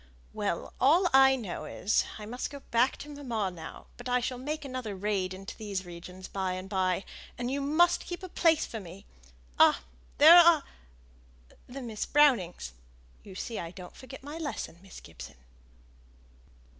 "Well, all I know is, I must go back to mamma now; but I shall make another raid into these regions by and by, and you must keep a place for me. Ah! there are Miss Brownings; you see I don't forget my lesson, Miss Gibson."